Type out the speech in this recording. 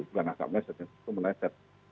bukan agak meleset itu meleset